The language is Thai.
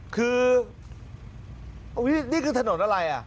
คือนี่คือถนนอะไรอ่ะ